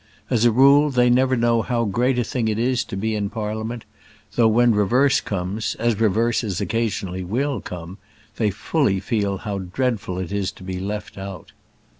As a rule, they never know how great a thing it is to be in Parliament; though, when reverse comes, as reverses occasionally will come, they fully feel how dreadful it is to be left out.